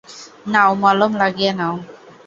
নাও মলম লাগিয়ে নাও।